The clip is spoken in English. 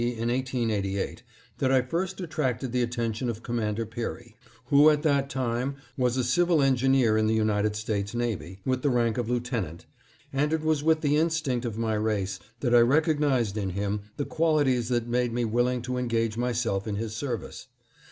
in 1888, that I first attracted the attention of Commander Peary, who at that time was a civil engineer in the United States Navy, with the rank of lieutenant, and it was with the instinct of my race that I recognized in him the qualities that made me willing to engage myself in his service.